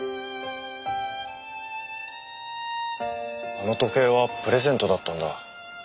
あの時計はプレゼントだったんだ。